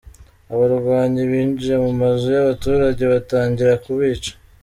Abarwanyi binjiye mu mazu y’abaturage batangira kubica.